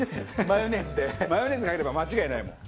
マヨネーズかければ間違いないもん。